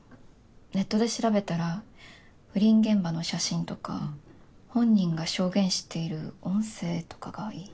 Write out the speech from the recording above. ネットで調べたら不倫現場の写真とか本人が証言している音声とかがいいって。